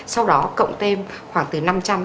sau đó cộng thêm khoảng từ năm trăm linh